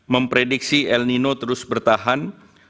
memprediksi el nino terus bertahan